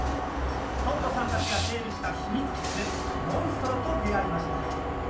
トットさんたちが整備した秘密基地でモンストロと出会いました。